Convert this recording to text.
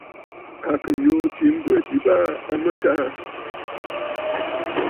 À kɨ̀ yùû ɨ̀tǐ mbwɛ̀ ji baa a mɨtaa.